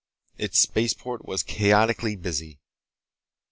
Its spaceport was chaotically busy.